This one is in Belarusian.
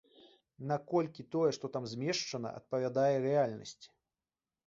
Наколькі тое, што там змешчана, адпавядае рэальнасці?